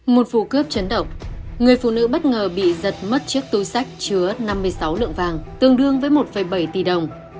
một vụ cướp chấn động người phụ nữ bất ngờ bị giật mất chiếc túi sách chứa năm mươi sáu lượng vàng tương đương với một bảy tỷ đồng